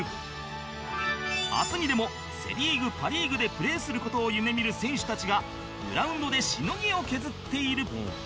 明日にでもセ・リーグパ・リーグでプレーする事を夢見る選手たちがグラウンドでしのぎを削っている